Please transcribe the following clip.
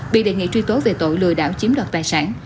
bị đề nghị truy tố về tội lừa đảo chiếm đoạt tài sản